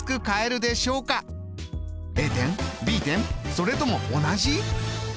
それとも同じ？